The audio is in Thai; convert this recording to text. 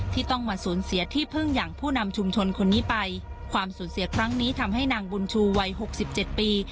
ที่ต้องมาสูญเสียที่พึ่งอย่างผู้นำชุมชนคนนี้ไปความสูญเสียครั้งนี้ทำให้นางบุญชูวัยหกสิบเจ็ดปี